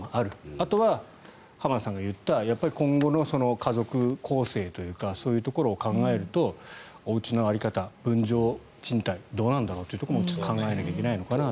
あとは浜田さんが言ったやっぱり今後の家族構成というかそういうところを考えるとおうちの在り方、分譲、賃貸どうなんだろうというところもちょっと考えなきゃいけないのかなと。